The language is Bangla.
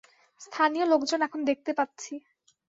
স্থানীয় লোকজন এখন দেখতে পাচ্ছি।